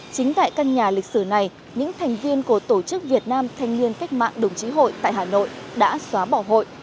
chính tại căn nhà lịch sử này những thành viên của tổ chức việt nam thanh niên cách mạng đồng chí hội tại hà nội đã xóa bỏ hội